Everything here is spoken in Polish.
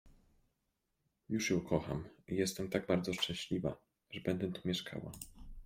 Już ją kocham i jestem tak bardzo szczęśliwa, że będę tu mieszkała.